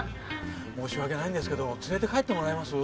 申し訳ないんですけど連れて帰ってもらえます？